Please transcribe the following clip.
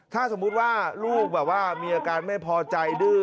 ถ้าสมมุติว่าลูกแบบว่ามีอาการไม่พอใจดื้อ